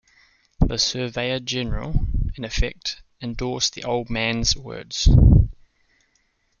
The Surveyor-General, in effect, endorsed the old man’s words.